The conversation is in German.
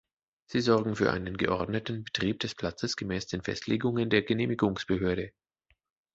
Sie sorgen für einen geordneten Betrieb des Platzes gemäß den Festlegungen der Genehmigungsbehörde.